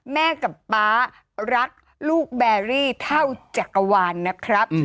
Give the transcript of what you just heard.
แม่กับป๊ารักลูกแบรี่เท่าจักรวาลนะครับ